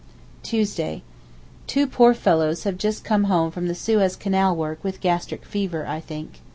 Tuesday.—Two poor fellows have just come home from the Suez Canal work with gastric fever, I think.